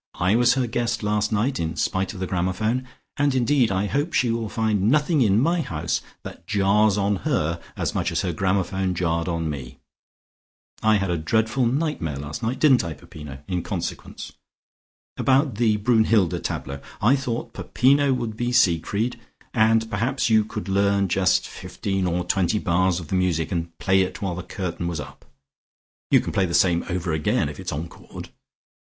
I was her guest last night in spite of the gramophone, and indeed I hope she will find nothing in my house that jars on her as much as her gramophone jarred on me. I had a dreadful nightmare last night didn't I, Peppino? in consequence. About the Brunnhilde tableaux, I thought Peppino would be Siegfried and perhaps you could learn just fifteen or twenty bars of the music and play it while the curtain was up. You can play the same over again if it is encored.